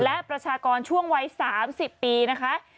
และประชากรช่วงวัย๓๐ปีนะคะ